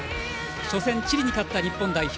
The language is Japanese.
初戦、チリに勝った日本代表。